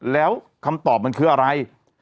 แล้วคำตอบมันคืออะไร